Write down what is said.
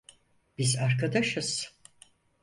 Biz arkadaşız.